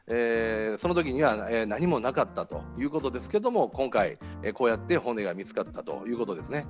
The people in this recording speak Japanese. そのときには何もなかったということですけども、今回、こうやって骨が見つかったということですね。